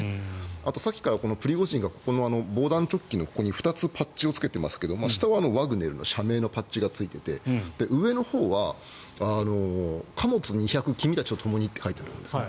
あとさっきからプリゴジンが防弾チョッキのここに２つパッチをつけてますが下にはワグネルの社名のパッチがついていて上のほうは貨物２００君たちとともにと書いてあるんですね。